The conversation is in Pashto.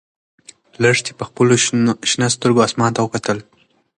لښتې په خپلو شنه سترګو اسمان ته وکتل.